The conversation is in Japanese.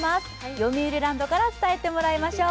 よみうりランドから伝えてもらいましょう。